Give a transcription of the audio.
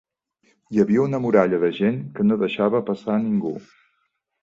Hi havia una muralla de gent que no deixava passar ningú.